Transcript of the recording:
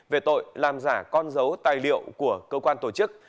về tội làm giả con dấu tài liệu của cơ quan tổ chức